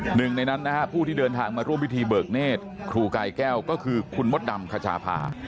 หนึ่งในนั้นนะฮะผู้ที่เดินทางมาร่วมพิธีเบิกเนธครูกายแก้วก็คือคุณมดดำคชาพา